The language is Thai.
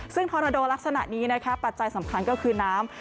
ซึ่งธอนาโดลักษณะนี้นะคะปัจจัยสำคัญก็คือน้ำ